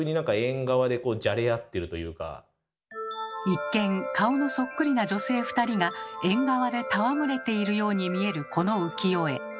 一見顔のそっくりな女性２人が縁側で戯れているように見えるこの浮世絵。